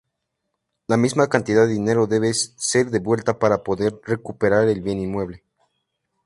La misma cantidad de dinero debe ser devuelta para poder recuperar el bien inmueble.